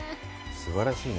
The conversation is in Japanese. すばらしいね。